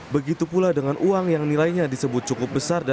begitu pula dengan uang yang nilainya disebut cukup besar